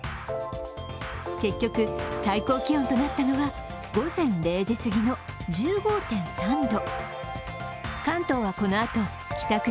結局、最高気温となったのは午前０時過ぎの１５．３度。